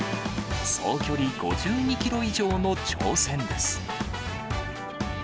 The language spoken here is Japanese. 総距離５２キロ以上の挑戦です。